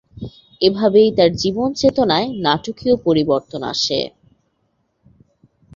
এভাবেই তার জীবনচেতনায় নাটকীয় পরিবর্তন আসে।